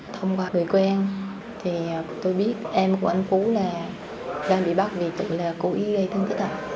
thông qua người quen tôi biết em của anh phú đang bị bắt vì tự cố ý gây thân tích ạ